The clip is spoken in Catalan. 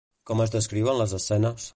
Com es descriuen les escenes?